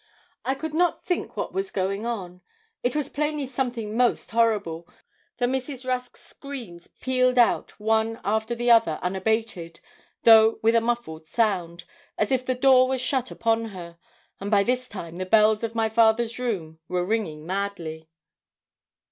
I could not think what was going on. It was plainly something most horrible, for Mrs. Rusk's screams pealed one after the other unabated, though with a muffled sound, as if the door was shut upon her; and by this time the bells of my father's room were ringing madly.